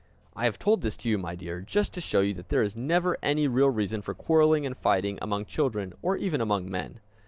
I have told this to you, my dear, just to show you that there is never any real reason for quarreling and fighting, among children, or even among men.